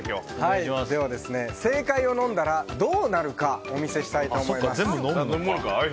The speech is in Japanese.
正解を飲んだらどうなるかお見せしたいと思います。